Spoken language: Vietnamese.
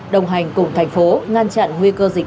đồng hành cùng thành phố ngăn chặn nguy cơ dịch